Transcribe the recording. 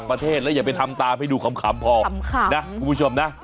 ไปทำตามให้ดูขำพอนะคุณผู้ชมนะ